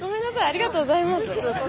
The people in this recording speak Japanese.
ありがとうございます。